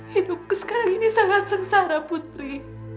hidupku sekarang ini sangat sengsara putri